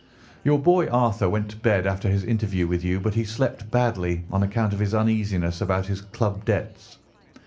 "Your boy, Arthur, went to bed after his interview with you but he slept badly on account of his uneasiness about his club debts.